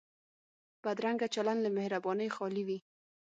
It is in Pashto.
بدرنګه چلند له مهربانۍ خالي وي